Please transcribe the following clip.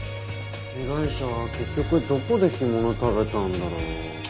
被害者は結局どこで干物を食べたんだろう。